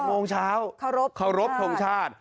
๘โมงเช้าขอรบทรงชาติ